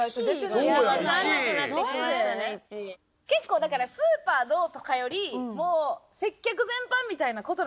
結構だからスーパーのとかよりもう接客全般みたいな事なんじゃないかな